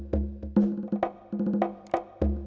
bang bantu bang lo turun